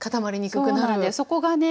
そこがね